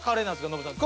ノブさん。